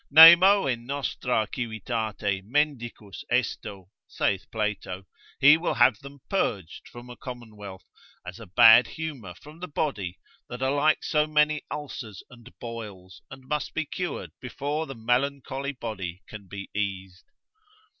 Nemo in nostra civitate mendicus esto, saith Plato: he will have them purged from a commonwealth, as a bad humour from the body, that are like so many ulcers and boils, and must be cured before the melancholy body can be eased.